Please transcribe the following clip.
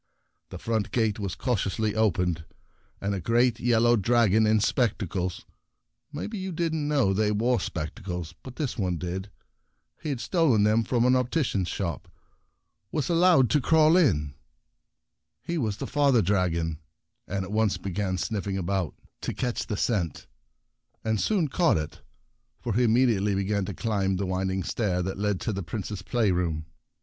The front gate was cautiously opened, and a great yellow dragon in spectacles — maybe you didn't know they wore spectacles, but this one did ; he had stolen them from an opti cian's shop — was allowed to crawl in. He was the Father dragon, and at once began snif How Thought less Father Dragon 4 6 The Prince On the fing about to catch the scent, Trail and soon caught it, for he imme diately began to climb the wind ing stair that led to the Prince's playroom.